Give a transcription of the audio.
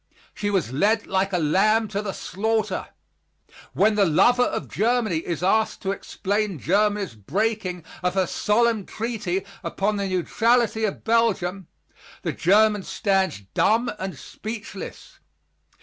She was led like a lamb to the slaughter. When the lover of Germany is asked to explain Germany's breaking of her solemn treaty upon the neutrality of Belgium, the German stands dumb and speechless.